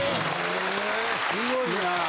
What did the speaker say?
すごいなぁ。